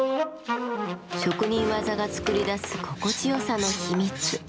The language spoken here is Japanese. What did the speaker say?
職人技が作り出す心地よさの秘密。